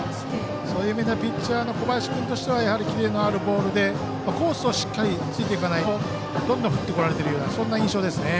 そういう意味ではピッチャーの小林君としてはキレのあるボールでコースをしっかりついていかないとどんどん振ってこられているそういう印象ですね。